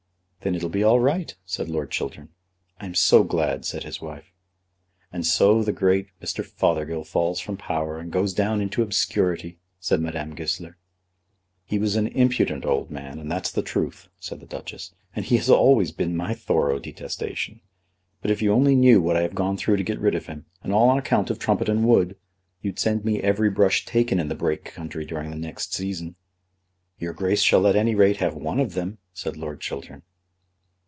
"Then it'll be all right," said Lord Chiltern. "I am so glad," said his wife. "And so the great Mr. Fothergill falls from power, and goes down into obscurity," said Madame Goesler. "He was an impudent old man, and that's the truth," said the Duchess; "and he has always been my thorough detestation. But if you only knew what I have gone through to get rid of him, and all on account of Trumpeton Wood, you'd send me every brush taken in the Brake country during the next season." "Your Grace shall at any rate have one of them," said Lord Chiltern.